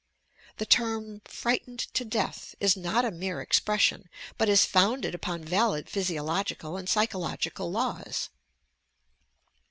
The term "frightened to death" is not a mere expression, but is founded upon valid physiological and psychologi cal laws.